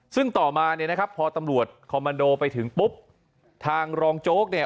ซึ่งต่อมาเนี่ยนะครับพอตำรวจคอมมันโดไปถึงปุ๊บทางรองโจ๊กเนี่ย